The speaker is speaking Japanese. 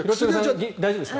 大丈夫ですか？